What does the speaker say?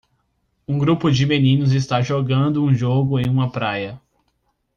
Um grupo de meninos está jogando um jogo em uma praia.